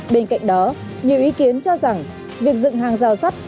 bên cạnh đó nhiều ý kiến cho rằng việc dựng hàng giao sát